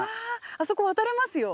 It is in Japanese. あそこ渡れますよ。